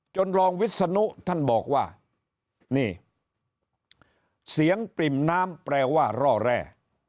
รองวิศนุท่านบอกว่านี่เสียงปริ่มน้ำแปลว่าร่อแร่